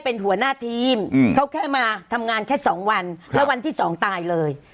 เป็นหัวหน้าทีมเขาแค่มาทำงานแค่สองวันแล้ววันที่สองตายเลย